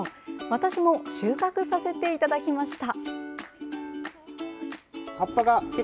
私も収穫させていただきました。